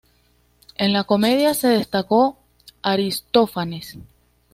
En la comedia se destacó Aristófanes.